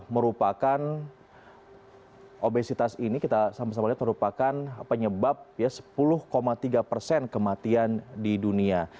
merupakan obesitas ini kita sama sama lihat merupakan penyebab ya sepuluh tiga persen kematian di dunia